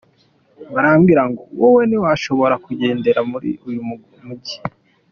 Barambwira ngo wowe ntiwashobora kugendera muri uyu mugi.